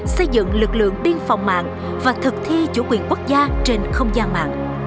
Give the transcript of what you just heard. xây dựng lực lượng biên phòng mạng và thực thi chủ quyền quốc gia trên không gian mạng